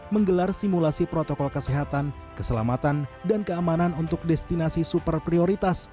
menggelar simulasi protokol kesehatan keselamatan dan keamanan untuk destinasi super prioritas